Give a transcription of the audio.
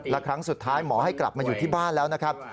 และครั้งสุดท้ายหมอให้กลับมาอยู่ที่บ้านแล้วนะครับ